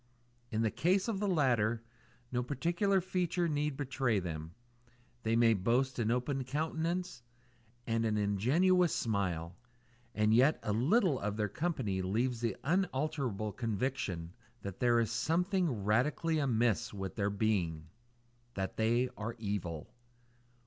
In the case of the latter, no particular feature need betray them; they may boast an open countenance and an ingenuous smile; and yet a little of their company leaves the unalterable conviction that there is something radically amiss with their being: that they are evil.